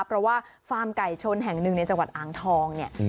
เพราะว่าฟาร์มไก่ชนแห่งหนึ่งในจังหวัดอ่างทองเนี่ย